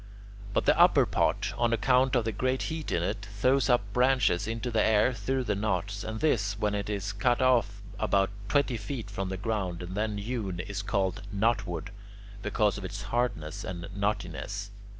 But the upper part, on account of the great heat in it, throws up branches into the air through the knots; and this, when it is cut off about twenty feet from the ground and then hewn, is called "knotwood" because of its hardness and knottiness.